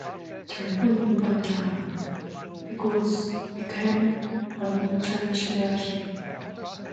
The recording by Dana became an international hit.